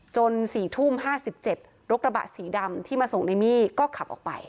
จนสี่ทุ่มห้าสิบเจ็ดรถระบะสีดำที่มาส่งนายมี่ก็ขับออกไป